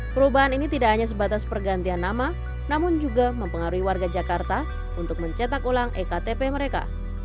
perubahan ini tidak hanya sebatas pergantian nama namun juga mempengaruhi warga jakarta untuk mencetak ulang ektp mereka